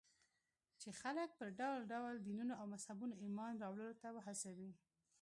چې خلک پر ډول ډول دينونو او مذهبونو ايمان راوړلو ته وهڅوي.